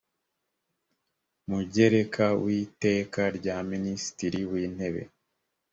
mugereka w iteka rya minisitiri wintebe